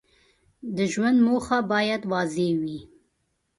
د ژوند موخې باید واضح وي.